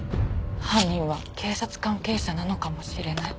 「犯人は警察関係者なのかもしれない」。